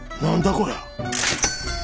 こりゃ。